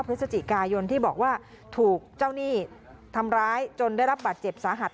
พฤศจิกายนที่บอกว่าถูกเจ้าหนี้ทำร้ายจนได้รับบาดเจ็บสาหัส